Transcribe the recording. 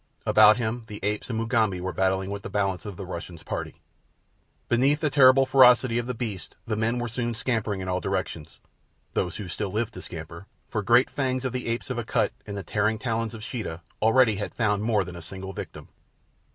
About him the apes and Mugambi were battling with the balance of the Russian's party. Beneath the terrible ferocity of the beasts the men were soon scampering in all directions—those who still lived to scamper, for the great fangs of the apes of Akut and the tearing talons of Sheeta already had found more than a single victim.